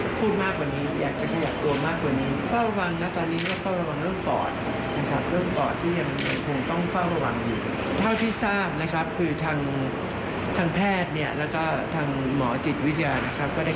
พูดผบกี่มือว่าสรุปสรุปนักษรงค์เหรอคือนี่ก็คือจะเห็นไม้ตายได้ที่มีรอยงานเจ็บไก่